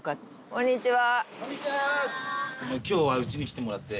こんにちは！